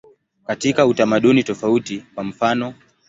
Katika utamaduni tofauti, kwa mfanof.